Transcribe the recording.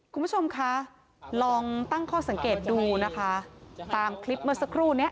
คุณผู้ชมคะลองตั้งข้อสังเกตดูนะคะตามคลิปเมื่อสักครู่เนี้ย